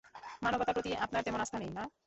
মানবতার প্রতি আপনার তেমন আস্থা নেই, না?